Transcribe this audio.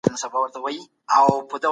زه ښه فکر کوم.